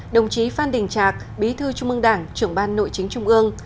đồng chí phan đình trạc bí thư trung ương đảng trưởng ban nội chính trung ương